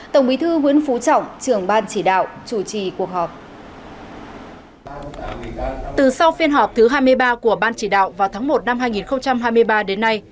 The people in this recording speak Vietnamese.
từ sau phiên họp thứ hai mươi ba của ban chỉ đạo vào tháng một năm hai nghìn hai mươi ba đến nay